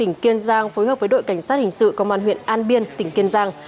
tỉnh kiên giang phối hợp với đội cảnh sát hình sự công an huyện an biên tỉnh kiên giang